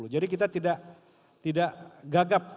jadi kita tidak gagap